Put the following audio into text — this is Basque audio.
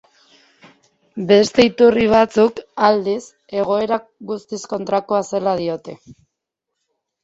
Beste iturri batzuk, aldiz, egoera guztiz kontrakoa zela diote.